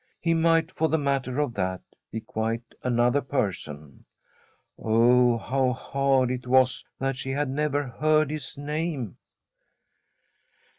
He might, for the matter of that, be quite another person. Oh, how hard it was that she had never heard his name!